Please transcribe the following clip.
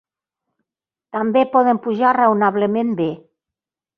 També poden pujar raonablement bé.